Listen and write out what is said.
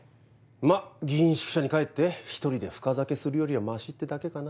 まあ議員宿舎に帰って１人で深酒するよりはましってだけかな。